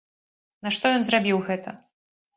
Нашто ён зрабіў гэта?